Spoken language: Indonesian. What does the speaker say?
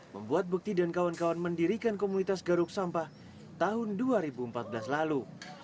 membuat bukti dan kawan kawan mendirikan komunitas garuk sampah tahun dua ribu empat belas lalu